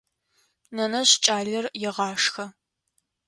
Нэнэжъ кӏалэр егъашхэ.